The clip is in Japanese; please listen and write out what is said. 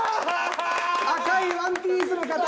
赤いワンピースの方。